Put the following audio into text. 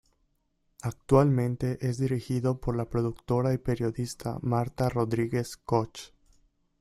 Actualmente es dirigido por la productora y periodista Marta Rodríguez Koch.